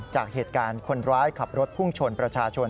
จากเหตุการณ์คนร้ายขับรถพุ่งชนประชาชน